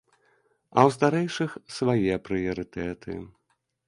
А ў старэйшых свае прыярытэты.